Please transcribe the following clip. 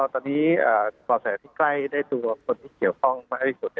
ตอนนี้บ่อแสที่ใกล้ได้ตัวคนที่เกี่ยวข้องมากที่สุด